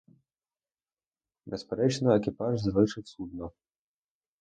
Безперечно, екіпаж залишив судно.